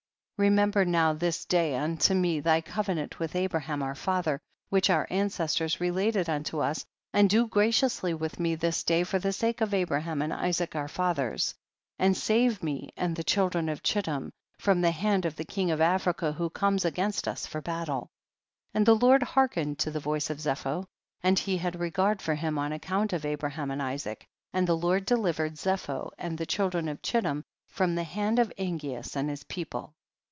25 Remember now this day un THK BOOK OF JASHKR. 201 to me tliy covenant with Abraham our father, which our ancestors re lated unto us, and do graciously with me this day for tiic sake of Abra ham and Isaac our fathers, and save me and the cliiidren of Chitlini from the hand of the king of Africa who comes against us for battle. 26. And the Lord hearkened to the voice of Zepho, and he had re gard for him on account of Abraham and Isaac, and the Lord delivered Zepho and the children of Ciiittim from the hand of Angeas and his people.